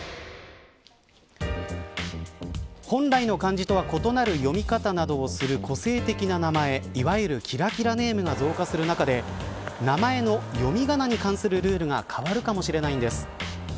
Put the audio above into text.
本来の漢字とは異なる読み方などをする個性的な名前、いわゆるキラキラネームが増加する中で名前の読み仮名に関するルールが変わるかもしれないんです。